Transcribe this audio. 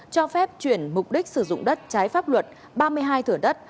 cho phép chuyển mục đích sử dụng đất trái pháp luật ba mươi hai thửa đất